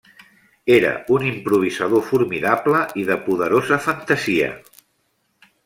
Era un improvisador formidable i de poderosa fantasia.